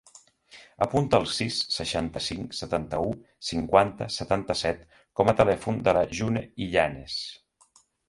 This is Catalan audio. Apunta el sis, seixanta-cinc, setanta-u, cinquanta, setanta-set com a telèfon de la June Illanes.